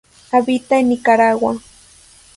Habita en Nicaragua.